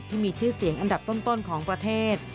ที่มีชื่อเสียงอันดับต้นของประเทศ